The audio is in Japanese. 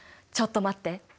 ちょっと待って！